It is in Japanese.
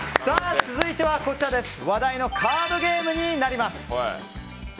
続いては話題のカードゲームになります。